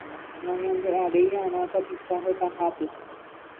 Nañande'aréi'arã tapicha hetahápe.